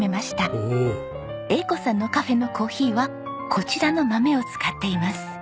栄子さんのカフェのコーヒーはこちらの豆を使っています。